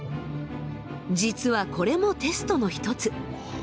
実はこれもテストの一つ。